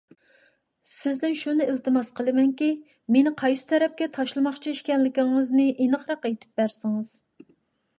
سىزدىن شۇنى ئىلتىماس قىلىمەنكى، مېنى قايسى تەرەپكە تاشلىماقچى ئىكەنلىكىڭىزنى ئېنىقراق ئېيتىپ بەرسىڭىز.